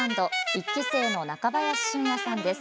１期生の中林俊也さんです。